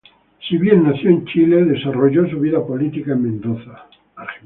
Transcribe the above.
Si bien nació en Chile, desarrolló su vida política en Mendoza.